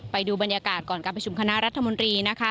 ไปดูบรรยากาศก่อนการประชุมคณะรัฐมนตรีนะคะ